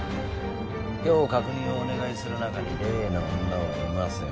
今日確認をお願いする中に例の女はいません